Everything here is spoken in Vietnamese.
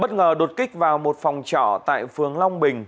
bất ngờ đột kích vào một phòng trọ tại phường long bình